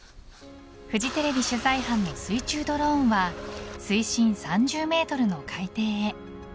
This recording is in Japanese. フジテレビ取材班の水中ドローンは水深３０メートルの海底へ。